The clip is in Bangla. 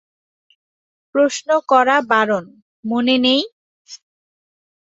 প্রশ্ন করা বারণ, মনে নেই?